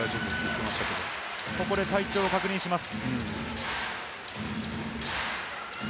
ここで体調を確認します。